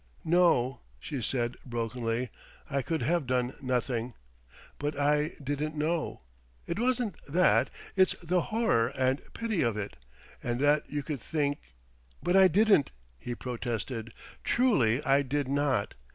"No," she said brokenly "I could have done nothing ... But I didn't know. It isn't that it's the horror and pity of it. And that you could think !" "But I didn't!" he protested "truly I did not.